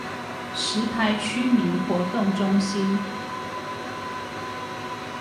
石牌區民活動中心